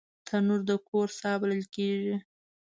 تنور د کور ساه بلل کېږي